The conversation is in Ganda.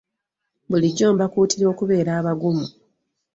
Bulijjo mbakuutira okubeera abagumu.